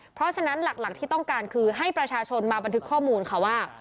เพราะฉะนั้นหลักที่ต้องการคือให้ประชาชนมาบันทึกข้อมูลค่ะว่า